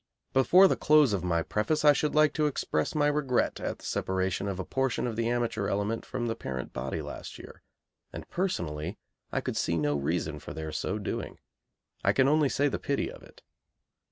Before the close of my preface I should like to express my regret at the separation of a portion of the Amateur Element from the Parent Body last year, and, personally, I could see no reason for their so doing I can only say, "The pity of it."